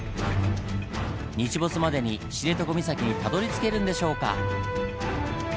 日没までに知床岬にたどりつけるんでしょうか。